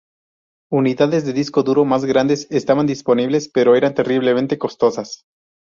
Unidades de disco duro más grandes estaban disponibles pero eran terriblemente costosas.